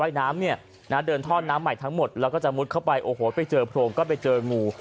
ยน้ำเนี่ยนะเดินท่อน้ำใหม่ทั้งหมดแล้วก็จะมุดเข้าไปโอ้โหไปเจอโพรงก็ไปเจองู